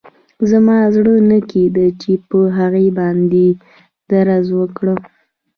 زما زړه نه کېده چې په هغه باندې ډز وکړم